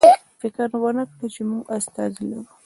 فکر ونکړئ چې موږ استازی لرو.